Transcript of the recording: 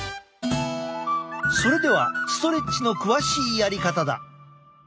それではストレッチの詳しいやり方だ。